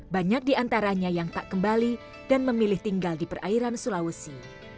banyak diantaranya yang tak kembali dan memilih tinggal di perairan sulawesi